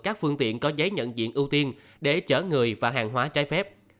các phương tiện có giấy nhận diện ưu tiên để chở người và hàng hóa trái phép